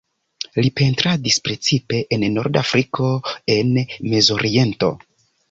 Li pentradis precipe en norda Afriko en Mezoriento.